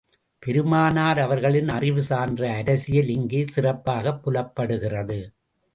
பெருமானார் அவர்களின் அறிவு சான்ற அரசியல் இங்கே சிறப்பாகப் புலப்படுகிறது.